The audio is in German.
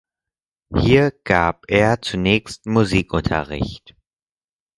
Hier gab er zunächst Musikunterricht.